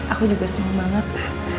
aku juga seneng banget pak